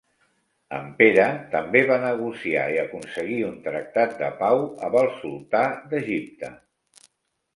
En Pere també va negociar i aconseguir un tractat de pau amb el sultà d'Egipte.